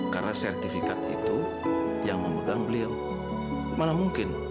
karena sertifikat itu yang memegang beliau